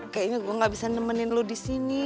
kayaknya gue gak bisa nemenin lo di sini